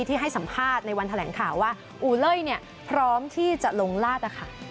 ให้สัมภาษณ์ในวันแถลงข่าวว่าอูเล่ยพร้อมที่จะลงลาด